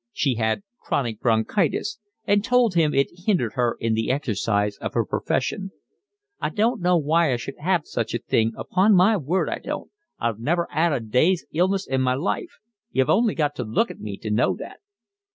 She had chronic bronchitis, and told him it hindered her in the exercise of her profession. "I don't know why I should 'ave such a thing, upon my word I don't. I've never 'ad a day's illness in my life. You've only got to look at me to know that."